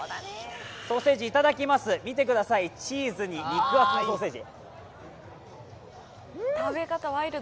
ソーセージいただきます、見てくださいチーズに肉厚のソーセージ。